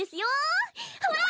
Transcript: ほら！